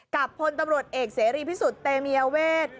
พลตำรวจเอกเสรีพิสุทธิ์เตมียเวท